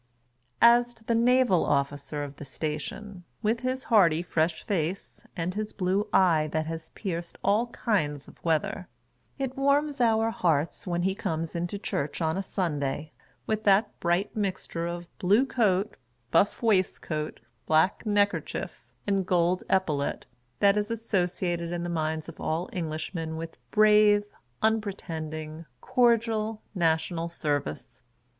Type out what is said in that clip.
As to the Naval Officer of the station, with his hearty fresh face, and his blue eye that has pierced all kinds of weather, it warms our hearts when he comes into church on a Sun day, with that bright mixture of blue coat, buff waistcoat, black neck kerchief, and gold epaulette, that is associated in the minds of all Englishmen with brave, unpretending, cordial, national service.